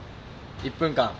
「１分間！